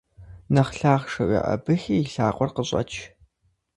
Нэхъ лъахъшэу еӀэбыхи и лъакъуэр къыщӀэч!